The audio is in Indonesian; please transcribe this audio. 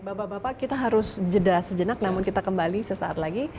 bapak bapak kita harus jeda sejenak namun kita kembali sesaat lagi